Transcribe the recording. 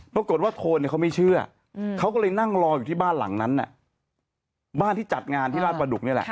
ปรากฏว่าโทนเขาไม่เชื่อเขาก็เลยนั่งรออยู่ที่บ้านหลังนั้นบ้านที่จัดงานที่ราชประดุกนี่แหละ